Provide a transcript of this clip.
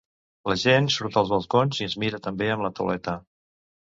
La gent surt als balcons i ens mira també amb la tauleta.